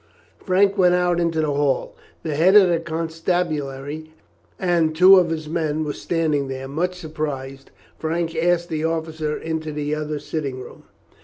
Frank went out into the hall. The head of the constabulary and two of his men were standing there. Much surprised, Frank asked the officer into the other sitting room.